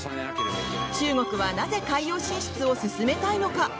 中国はなぜ海洋進出を進めたいのか？